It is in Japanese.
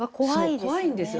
怖いんですよ。